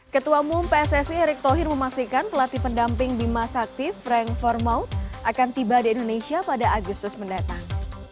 ketua mupssi erick thohir memastikan pelatih pendamping bimasakti frank formaut akan tiba di indonesia pada agustus mendatang